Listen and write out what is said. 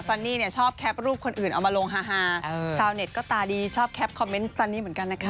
นี่เนี่ยชอบแคปรูปคนอื่นเอามาลงฮาชาวเน็ตก็ตาดีชอบแคปคอมเมนต์จันนี้เหมือนกันนะคะ